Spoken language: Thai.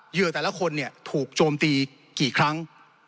เหยื่อแต่ละคนเนี่ยถูกโจมตีกี่ครั้ง